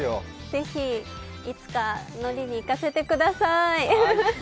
ぜひいつか乗りに行かせてください。